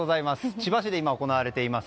千葉市で今行われています